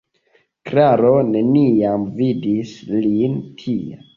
Klaro neniam vidis lin tia.